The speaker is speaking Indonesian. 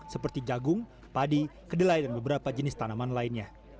seperti jagung padi kedelai dan beberapa jenis tanaman lainnya